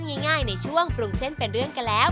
ง่ายในช่วงปรุงเส้นเป็นเรื่องกันแล้ว